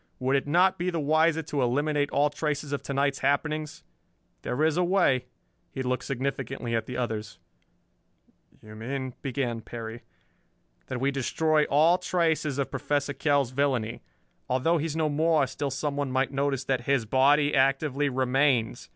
Would it not be the wiser to eliminate all traces of to night's happenings? There is a way." He looked significantly at the others. "You mean " began Perry. "That we destroy all traces of Professor Kell's villainy. Although he is no more, still someone might notice that his body actively remains.